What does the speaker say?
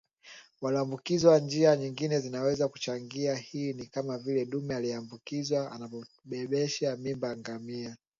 walioambukizwa Njia nyingine zinazoweza kuchangia hili ni kama vile dume aliyeambukizwa anapombebesha mimba ngamia